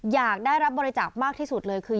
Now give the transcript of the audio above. อยากได้รับบริจาคมากที่สุดเลยคือ